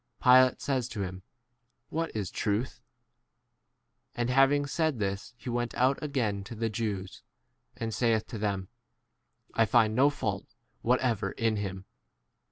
Pilate says to him, What is truth ? And hav ing said this he went out again to the Jews, and saith to them, I ■ find no fault whatever in him.